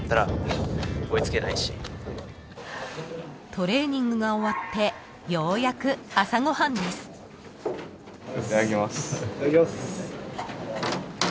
［トレーニングが終わってようやく］いただきます。